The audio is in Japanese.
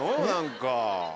何か。